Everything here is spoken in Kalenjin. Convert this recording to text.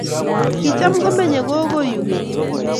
Kicham komennye kogo yu keny.